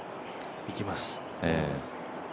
いきます。